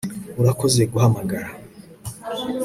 Urakoze guhamagara